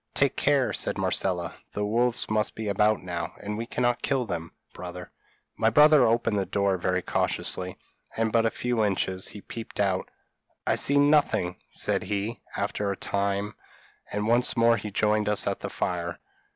'Take care,' said Marcella, 'the wolves must be about now, and we cannot kill them, brother.' My brother opened the door very cautiously, and but a few inches: he peeped out. 'I see nothing,' said he, after a time, and once more he joined us at the fire.